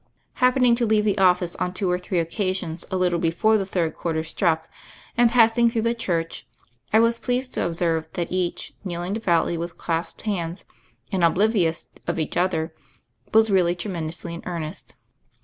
Happening to leave the office on two or three occasions a little before the third quarter struck, and passing through the church, I was pleased to observe that each, kneeling devoutly, with clasped hands, and oblivious of each other, was really tre mendously in earnest.